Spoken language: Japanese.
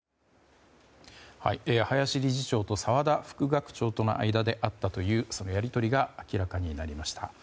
林理事長と澤田副学長との間であったというそのやり取りが明らかになりました。